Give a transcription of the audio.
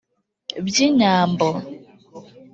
by’inyambo.